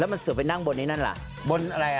และจะสั่งไปนั่งบนนี่นั่นแหละ